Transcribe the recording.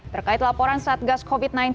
terkait laporan saat gas covid sembilan belas